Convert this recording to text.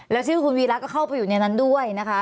แล้วชื่อคุณวีระก็เข้าไปอยู่ในนั้นด้วยนะคะ